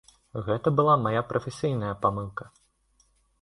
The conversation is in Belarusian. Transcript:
Гэта была мая прафесійная памылка!